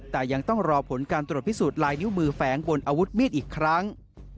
แต่ยังต้องรอผลการตรวจพิสูจนลายนิ้วมือแฝงบนอาวุธมีดอีกครั้ง